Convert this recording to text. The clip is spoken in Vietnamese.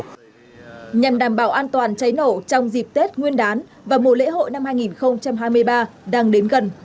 nhằm đảm bảo an toàn cháy nổ trong dịp tết nguyên đán và mùa lễ hội năm hai nghìn hai mươi ba đang đến gần